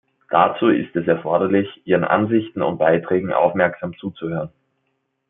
Dazu ist es erforderlich, Ihren Ansichten und Beiträgen aufmerksam zuzuhören.